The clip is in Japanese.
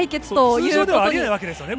通常ではありえないわけですよね。